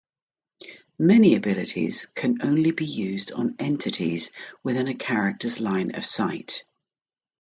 Many abilities can only be used on entities within a character's line of sight.